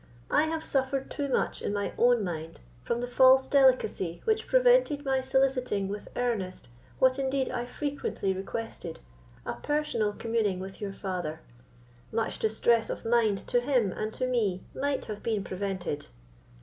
I have suffered too much in my own mind, from the false delicacy which prevented my soliciting with earnestness, what indeed I frequently requested, a personal communing with your father: much distress of mind to him and to me might have been prevented."